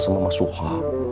sama mas suha